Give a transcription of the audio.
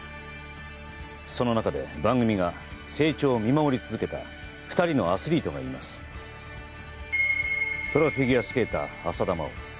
その中で番組が成長を見守り続けた２人のアスリートがいますプロフィギュアスケーター浅田真央